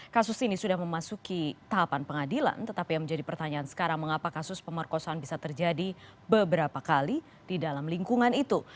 kasus ini sudah memasuki tahapan pengadilan tetapi yang menjadi pertanyaan sekarang mengapa kasus pemerkosaan bisa terjadi beberapa kali di dalam lingkungan itu